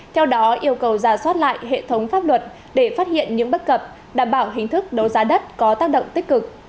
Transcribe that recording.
theo đó yêu cầu giả soát lại hệ thống pháp luật để phát hiện những bất cập đảm bảo hình thức đấu giá đất có tác động tích cực